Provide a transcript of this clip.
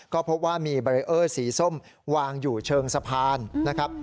ก็พบว่ามีเบรเออร์สีส้มวางอยู่เชิงสะพานนะครับ